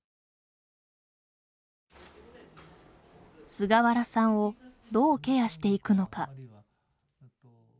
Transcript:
菅原さんをどうケアしていくのか。